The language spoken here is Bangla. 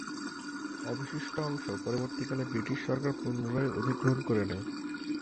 অবশিষ্ট অংশ পরবর্তীকালে ব্রিটিশ সরকার পুনরায় অধিগ্রহণ করে নেয়।